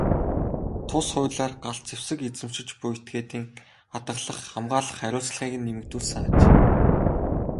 Тус хуулиар галт зэвсэг эзэмшиж буй этгээдийн хадгалах, хамгаалах хариуцлагыг нэмэгдүүлсэн аж.